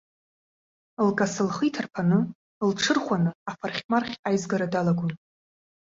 Лкасы лхы иҭарԥаны, лҽырхәаны афархьмархь аизгара далагон.